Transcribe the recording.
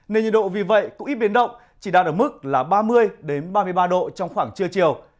nên nhiệt độ vì vậy cũng ít biến động chỉ đạt ở mức là ba mươi ba mươi ba độ trong khoảng trưa chiều